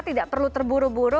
tidak perlu terburu buru